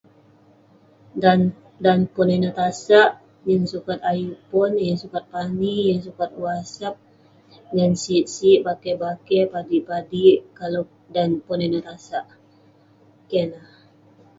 Dan- dan pon ineh tasak, yeng sukat ayuk pon yeng sukat pani yeng sukat wasap ngan sik sik, bakeh bakeh, padik padik kalau- dan pon ineh tasak. Keh ineh.